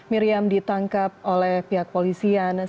miriam ditangkap oleh pihak polisian